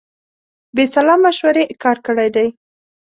بې سلا مشورې کار کړی دی.